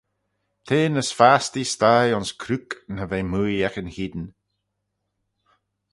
T'eh ny s'fastee sthie ayns Crook na ve mooie ec yn cheayn.